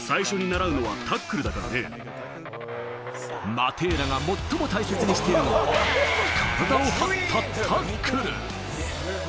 マテーラが最も大切にしているのは、体を張ったタックル。